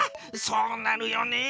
そうなるよね。